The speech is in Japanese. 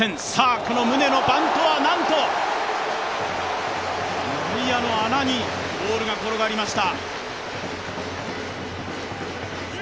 この宗のバントはなんと、内野の穴にボールが転がりました。